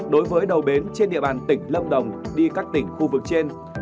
đối với đầu bến trên địa bàn tỉnh lâm đồng đi các tỉnh khu vực trên